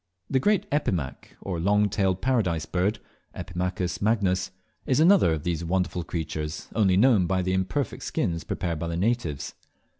The great Epimaque, or Long tailed Paradise Bird (Epimachus magnus), is another of these wonderful creatures, only known by the imperfect skins prepared by the natives.